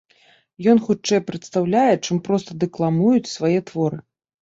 Ён хутчэй прадстаўляе, чым проста дэкламуюць свае творы.